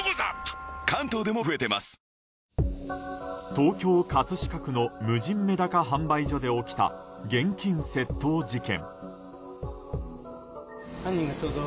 東京・葛飾区の無人メダカ販売所で起きた現金窃盗事件。